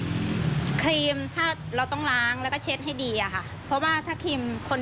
อ่าเครียมถ้าเราต้องล้างแล้วก็เช็นให้ดีอ่ะค่ะ